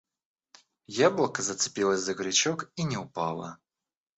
Яблоко зацепилось за крючок и не упало.